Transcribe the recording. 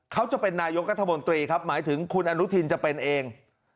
เขาจะเป็นนายกรัฐมนตรีครับหมายถึงคุณอนุทินจะเป็นเอง